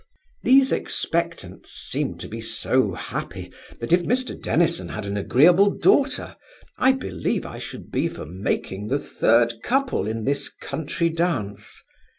These expectants seem to be so happy, that if Mr Dennison had an agreeable daughter, I believe I should be for making the third couple in this country dance.